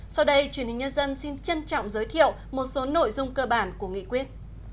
sau đây truyền hình nhân dân xin trân trọng giới thiệu một số nội dung cơ bản của nghị quyết